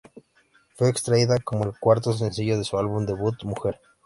Fue extraída como el cuarto sencillo de su álbum debut Mujer.